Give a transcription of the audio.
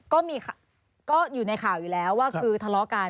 ก็อยู่ในข่าวอยู่แล้วว่าคือทะเลาะกัน